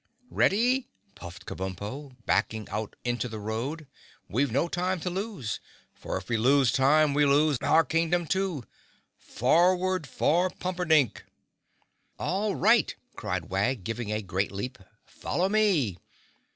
"Ready?" puffed Kabumpo, backing out into the road. "We've no time to lose, for if we lose time we lose our Kingdom too. Forward for Pumperdink!" "All right!" cried Wag, giving a great leap. "Follow me!"